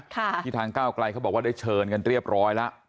ที่ทางก้าวไกลเขาบอกว่าได้เชิญกันเรียบร้อยแล้ว